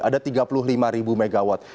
ada tiga puluh lima ribu megawatt